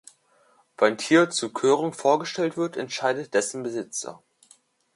Ob ein Tier zur Körung vorgestellt wird, entscheidet dessen Besitzer.